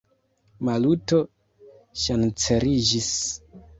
Maluto ŝanceliĝis.